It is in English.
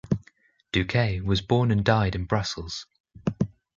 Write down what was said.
Doucet was born and died in Brussels.